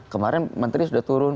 kemarin menteri sudah turun